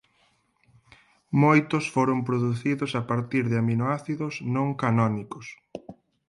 Moitos foron producidos a partir de aminoácidos non canónicos.